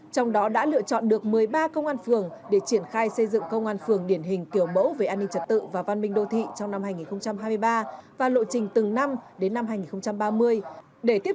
trong đó đã lựa chọn được một mươi ba công an phường để triển khai xây dựng công an phường điển hình kiểu mẫu về an ninh trật tự và văn minh đô thị trong năm hai nghìn hai mươi ba và lộ trình từng năm đến năm hai nghìn ba mươi